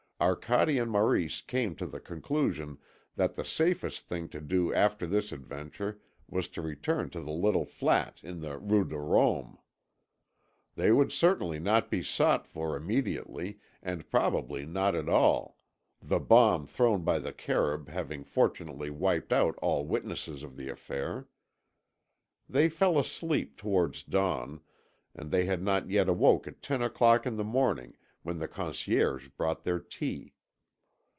Arcade and Maurice came to the conclusion that the safest thing to do after this adventure was to return to the little flat in the Rue de Rome. They would certainly not be sought for immediately and probably not at all, the bomb thrown by the Kerûb having fortunately wiped out all witnesses of the affair. They fell asleep towards dawn, and they had not yet awoke at ten o'clock in the morning when the concierge brought their tea.